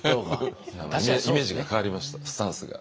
イメージが変わりましたスタンスが。